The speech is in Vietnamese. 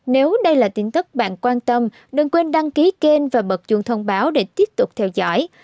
nếu đây là tin tức bạn quan tâm đừng quên đăng ký kênh và bật chuồng thông báo để tiếp tục theo dõi